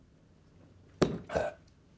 えっ？